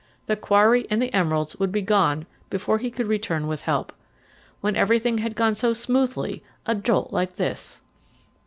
The quarry and the emeralds would be gone before he could return with help. When everything had gone so smoothly a jolt like this!